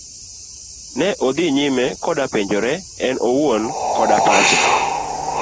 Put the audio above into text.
Ne odhi nyime koda penjore en owuon koda pache.